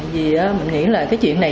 vì mình nghĩ là cái chuyện này